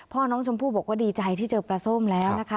พ่อน้องชมพู่บอกว่าดีใจที่เจอปลาส้มแล้วนะคะ